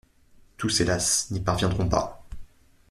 Tous hélas n'y parviendront pas...